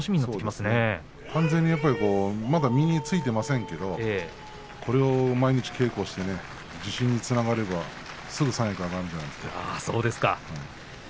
完全にはまだ身についていませんけれどもこれを毎日稽古して、自信につながれば、すぐに三役に上がるんじゃないですか。